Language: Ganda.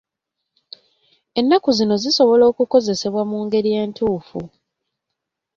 Ennaku zino zisobola okukozesebwa mu ngeri entuufu.